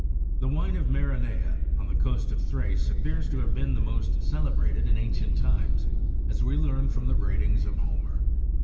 The wine of Maronea,35 on the coast of Thrace, appears to have been the most celebrated in ancient times, as we learn from the writings of Homer.